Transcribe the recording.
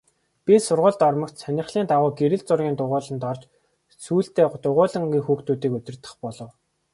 Би сургуульд ормогц сонирхлын дагуу гэрэл зургийн дугуйланд орж сүүлдээ дугуйлангийн хүүхдүүдийг удирдах болов.